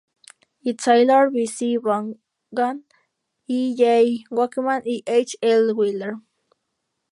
E. Taylor, V. C. Vaughan, A. J. Wakeman, y H. L. Wheeler.